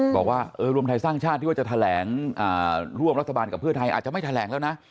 บอกว่ารวมไทยสร้างชาติที่ว่าจะแถลงร่วมรัฐบาลกับเพื่อไทยอาจจะไม่แถลงแล้วนะ